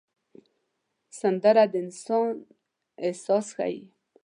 سندره د انسان احساس ښيي